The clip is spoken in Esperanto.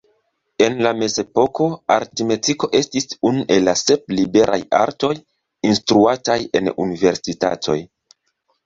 En la Mezepoko, aritmetiko estis unu el la sep liberaj artoj instruataj en universitatoj.